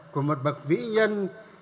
của một bậc vĩ nhân